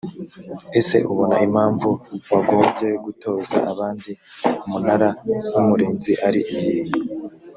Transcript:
ese ubona impamvu wagombye gutoza abandi umunara w umurinzi ari iyihe?